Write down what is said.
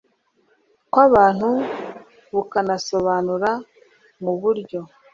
kw abantu bukanasobanura mu buryo